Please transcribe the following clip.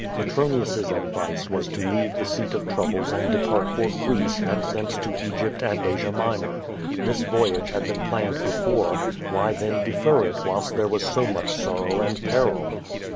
Petronius's advice was to leave the seat of troubles and depart for Greece and thence to Egypt and Asia Minor. This voyage had been planned before, why then' defer it whilst there was so much sorrow and peril?